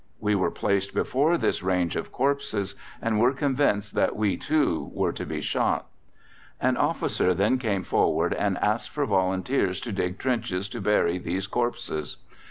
We were placed before this range of corpses, and were convinced that we too were to be shot. "An officer then came forward and asked for volunteers to dig trenches to bury these corpses.